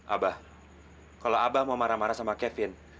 abah kalau abah mau marah marah sama kevin